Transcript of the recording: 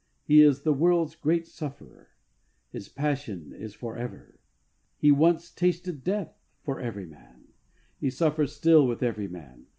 He is the world^s great Sufferer. His passion is for ever. He once tasted death for every man. He suffers still with every man.